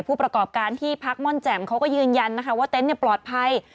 ผู้ประกอบการที่พักม่อนแจ่มเขาก็ยืนยันนะคะว่าเต็นต์ปลอดภัย